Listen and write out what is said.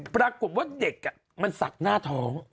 ปรากฏว่าเด็กมันสักหน้าท้อง